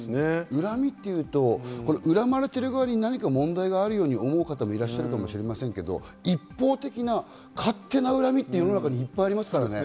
恨みというと、恨まれている側に何か問題があるように思う方もいらっしゃるかもしれませんけれど、一方的な勝手な恨みっていっぱいありますからね。